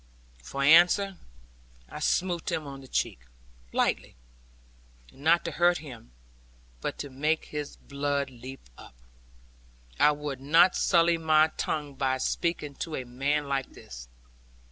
For answer, I smote him on the cheek, lightly, and not to hurt him: but to make his blood leap up. I would not sully my tongue by speaking to a man like this.